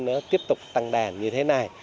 nó tiếp tục tăng đàn như thế này